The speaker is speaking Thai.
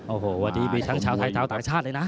โอ้โหวันนี้มีทั้งชาวไทยชาวต่างชาติเลยนะ